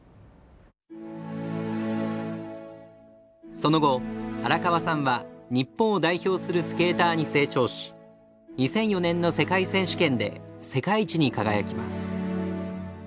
その後荒川さんは日本を代表するスケーターに成長し２００４年の世界選手権で世界一に輝きます。